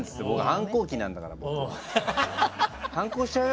反抗期なんだからって。